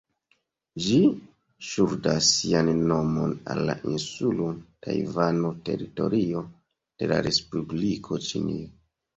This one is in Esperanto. Ĝi ŝuldas sian nomon al la insulo Tajvano, teritorio de la Respubliko Ĉinio.